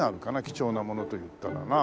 貴重なものといったらな。